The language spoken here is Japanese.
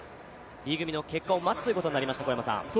Ｂ組の結果を待つということになりました。